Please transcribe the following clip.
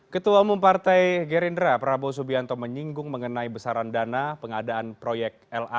ketua umum partai gerindra prabowo subianto menyinggung mengenai besaran dana pengadaan proyek lrt